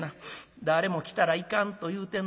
誰も来たらいかんと言うてんのに。